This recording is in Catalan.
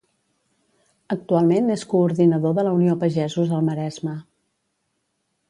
Actualment és coordinador de la Unió Pagesos al Maresme.